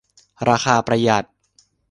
ราคาประหยัด